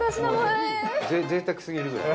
ぜいたく過ぎるぐらい。